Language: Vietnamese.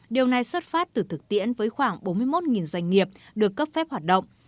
điều này xuất phát từ thực tiễn với khoảng bốn mươi một doanh nghiệp được cấp phép hoạt động